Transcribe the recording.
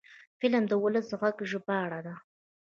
فلم د ولس د غږ ژباړه ده